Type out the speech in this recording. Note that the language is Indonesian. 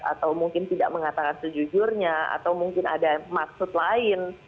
atau mungkin tidak mengatakan sejujurnya atau mungkin ada maksud lain